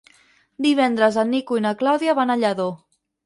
Divendres en Nico i na Clàudia van a Lladó.